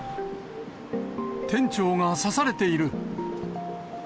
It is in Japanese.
店長が刺されている。